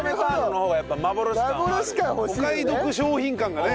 お買い得商品感がね